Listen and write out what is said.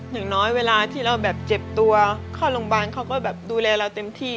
อย่างน้อยเวลาที่เราแบบเจ็บตัวเข้าโรงพยาบาลเขาก็แบบดูแลเราเต็มที่